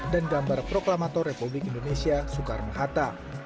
dan gambar proklamator republik indonesia sukarno hatta